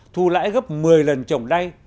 thu lãi gấp một mươi lần trồng đay